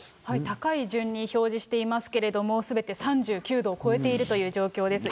高い順に表示していますけれども、すべて３９度を超えているという状況です。